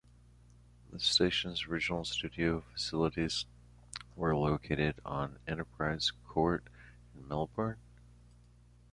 The station's original studio facilities were located on Enterprise Court in Melbourne.